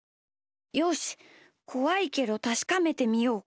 よしこわいけどたしかめてみよう。